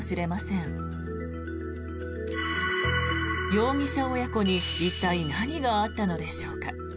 容疑者親子に一体、何があったのでしょうか。